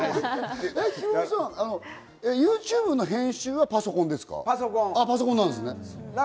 ＹｏｕＴｕｂｅの編集はパソコンですか？